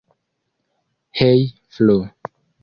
Hej Flo!